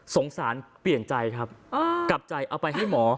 สารเปลี่ยนใจครับกลับใจเอาไปให้หมอ